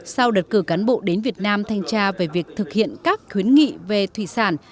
sau đợt cử cán bộ đến việt nam thanh tra về việc thực hiện các khuyến nghị về thủy sản